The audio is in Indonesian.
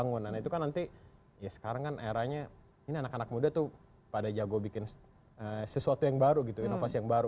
nah itu kan nanti ya sekarang kan eranya ini anak anak muda tuh pada jago bikin sesuatu yang baru gitu inovasi yang baru